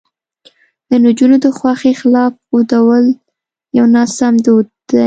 د نجونو د خوښې خلاف ودول یو ناسم دود دی.